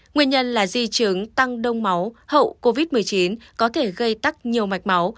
nguyên nhân là di chứng tăng đông máu hậu covid một mươi chín có thể gây tắc nhiều mạch máu